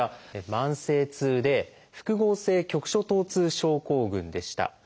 慢性痛で複合性局所疼痛症候群でした。